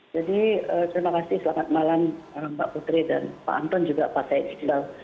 jadi terima kasih selamat malam pak putri dan pak anton juga pak teh